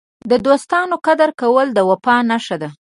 د دوستانو قدر کول د وفا نښه ده.